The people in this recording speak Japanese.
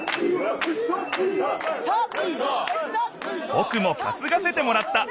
ぼくもかつがせてもらった。